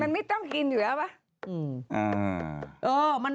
มันไม่ต้องกินอยู่แล้วป่ะ